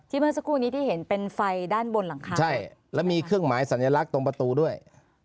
เมื่อสักครู่นี้ที่เห็นเป็นไฟด้านบนหลังคาใช่แล้วมีเครื่องหมายสัญลักษณ์ตรงประตูด้วย